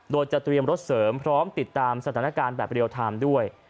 โดยจะเตรียมรถเสริมพร้อมติดตามสถานการณ์แบบเรียลไทม์ด้วย